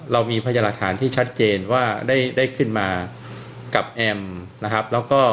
เรามีพัฒนฐานที่ชัดเจนว่าได้ขึ้นมากับแอมนะครับ